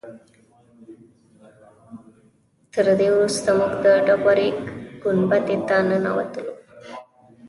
تر دې وروسته موږ د ډبرې ګنبدې ته ننوتلو.